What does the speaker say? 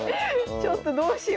ちょっとどうしよう。